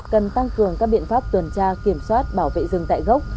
cần tăng cường các biện pháp tuần tra kiểm soát bảo vệ rừng tại gốc